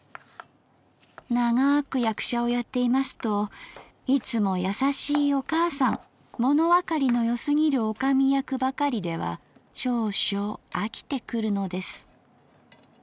ながく役者をやっていますといつもやさしいお母さんものわかりのよすぎる女将役ばかりでは少々あきてくるのです」